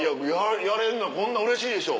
やれるのこんなんうれしいでしょ。